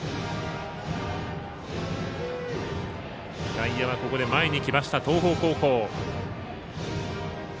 外野はここで前に来ました東邦高校。